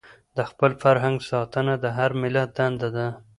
د خپل فرهنګ ساتنه د هر ملت دنده ده.